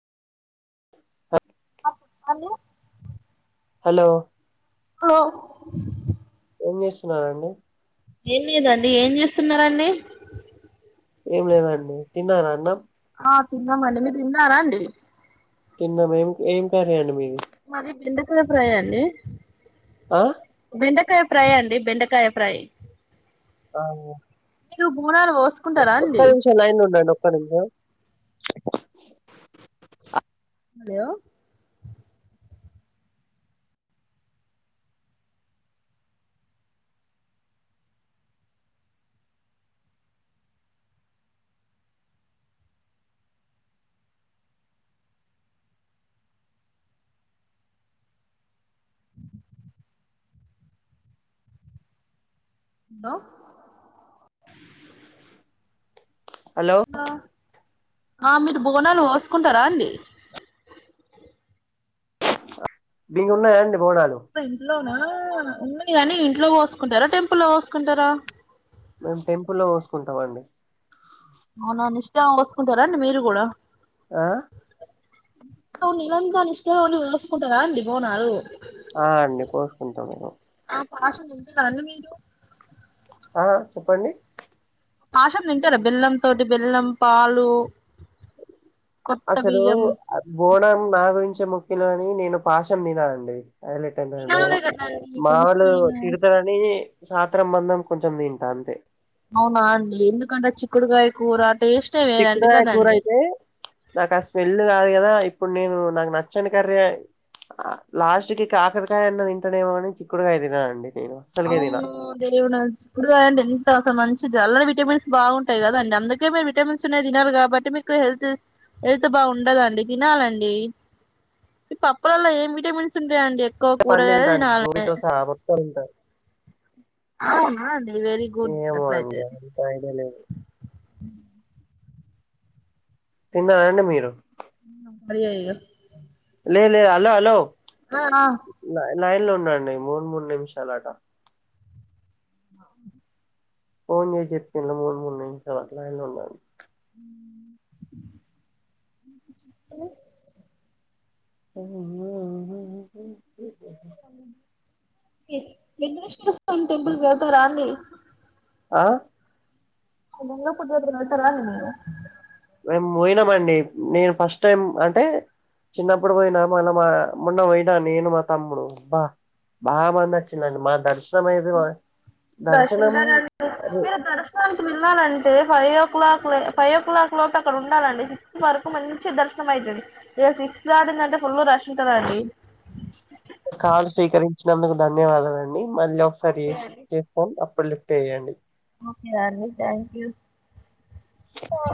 అ hello hello లో ఏం చేస్తున్నారండి? ఏం లేదండి ఏం చేస్తున్నారండి? ఏం లేదండి తిన్నారా అన్నం ఆ తిన్నామండి మీరు తిన్నారా అండి? తిన్నాం ఎం ఏం కరీ అండి మీది మాది బెండకాయ ఫ్రై అండి. ఆ బెండకాయ ఫ్రై అండి. బెండకాయ ఫ్రై ఆ ఓం మీరు బు పునాలు పోసుకుంటారా అండి. నిమిషం లైన్లో ఉండండి ఒక్క నిముషం హలో హలో హలో ఆ మీరు బోనాలు పోసుకుంటారా అండి. మీకు ఉన్నాయా అండి. బోనాలు ఇంట్లోన ఉన్నాయి గాని ఇంట్లో కోసుకుంటారా టెంపుల్ కోసుకుంటారా. మేము టెంపుల్లో కోసుకుంటాం అండి. అవునా నిష్టంగా పోసుకుంటారాండి మీరు కూడా ఆ నిరందని [unintelligible] ఇంట్లో ఉండి పోసుకుంటారా అండి బోనాలు. ఆ అండి పోసుకుంటాం మేము పాశం తింటారా అండి మీరు. ఆ చెప్పండి. పాశం తింటారా బెల్లం తోటి బెల్లం పాలు. కొత్త అసలు బియ్యం బోనం నా గురిం చే మొక్కిలు గాని నేను పాశం తిన అండి. హైలెటెన్టంటే అండి తినాలి కదండి మా వాళ్ళు కొంచెమైనా తిడతారని, సాంత్రం బంధం కొంచెం తింటా అంతే. అవునా అండి ఎందుకంటే చిక్కుడుగాయ కూర టేస్టే వేరండి చిక్కుడుగాయ కూర కదండి అయితే నాకు ఆ స్మెల్ కాదు కదా. ఇప్పుడు నేను నాకు నచ్చని కర్రీ లాస్ట్ కి ఇక కాకరకాయ అన్న తింటాడేమో అని చిక్కుడుగాయ తినను అండి. అమ్మో దేవుడా చిక్కుడుకాయ అంటే ఎంత అసలు మంచ్ ల్ విటమిన్స్ బాగుంటాయి. కదాండి అందుకే మీరు విటమిన్స్ ఉన్నా తినాలి కాబట్టి మీకు హెల్త్ హెల్త్ బాగుండదండి తినాలండి పప్పులలో ఏం విటమిన్స్ ఉంటాయండి. ఎక్కువ అన్ని కూరగాయలే తింట అండి తినాలి గోపితో సహా మొత్తం తింటా. అవునా అండి. వెరీ గుడ్ ఏమో అండి అట్లయితే అంత ఐడియా లేదు. తిన్నారా అండి మీరు అడుగే ఇగ లే లే హలో హలో ఆ ఆ లైన్ లో ఉండండి మూడు మూడు నిమిషాలు అట. అ ఫోన్ చేసి చెప్పిండు మూడు మూడు నిమిషాలు అట్లా లైన్ లో ఉండండి. ఉ [inaudible] ఆ ఆ హా హా వెంకటేశ్వర స్వామి టెంపుల్ కి పోతురా అండి. ఆ ఆ విగ్నేశ్వర టెంపుల్ వెళ్తారా అండి మీరు? మేము పోయినమండి. నేను ఫస్ట్ టైం అంటే చిన్నప్పుడు పోయినా మళ్ళ మా మొన్న పోయినా నేను మా తమ్ముడు, బా బాగా మంది వచ్చిరండి మా దర్శ్ రష్ ఉంటారండి, అదే మీరు దర్శనానికి వెళ్ళాలంటే five o'clock, five o'clock లోపు అక్కడ ఉండాలండి సిక్స్త్ వరకు మంచి మంచి దర్శనం అయితది. ఇగ సిక్స్త్ దాటిందంటే ఇంకా ఫుల్ రష్ ఉంటదండి. కాలు స్వీకరించినందుకు ధన్యవాదాలు అండి. మళ్ళీ ఒకసారి చేస్ చేస్తాం అప్పుడు ప్పుడు లిఫ్ట్ చేయండి. ఓకే అండి థ్యాంక్యూ.